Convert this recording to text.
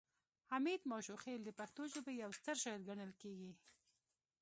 حمید ماشوخیل د پښتو ژبې یو ستر شاعر ګڼل کیږي